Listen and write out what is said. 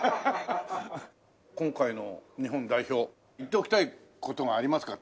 今回の日本代表言っておきたい事がありますか？